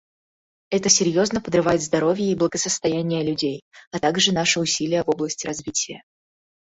Это серьезно подрывает здоровье и благосостояние людей, а также наши усилия в области развития.